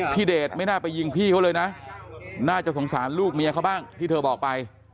เดชไม่น่าไปยิงพี่เขาเลยนะน่าจะสงสารลูกเมียเขาบ้างที่เธอบอกไป